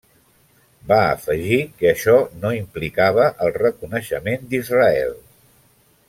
Va afegir que això no implicava el reconeixement d'Israel.